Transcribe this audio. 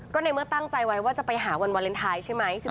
ก็ในเมื่อตั้งใจไว้ว่าจะไปหาวันวาเลนไทยใช่ไหม